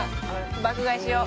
爆買いしよう。